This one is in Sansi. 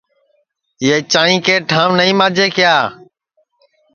یہ چاںٚئی کے ٹھاںٚو نائی ماجے کیا